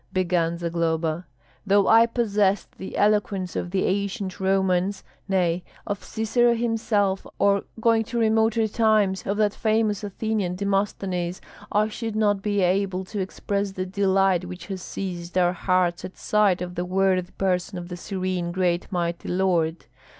began Zagloba, "though I possessed the eloquence of the ancient Romans, nay, of Cicero himself, or, going to remoter times, of that famous Athenian, Demosthenes, I should not be able to express the delight which has seized our hearts at sight of the worthy person of the serene great mighty lord.